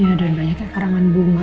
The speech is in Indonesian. ya dan banyaknya karangan bunga